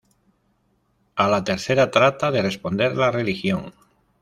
A la tercera trata de responder la religión.